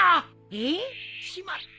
えっ！？しまった。